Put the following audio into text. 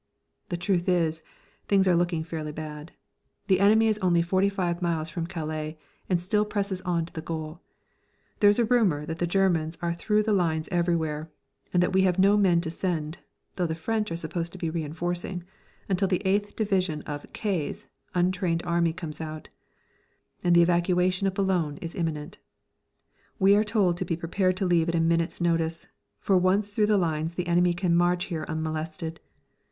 The truth is, things are looking fairly bad. The enemy is only forty five miles from Calais and still presses on to the goal. There is a rumour that the Germans are through the lines everywhere, that we have no men to send (though the French are supposed to be reinforcing) until the 8th Division of "K's" untrained army comes out, and the evacuation of Boulogne is imminent. We are told to be prepared to leave at a minute's notice, for once through the lines the enemy can march here unmolested.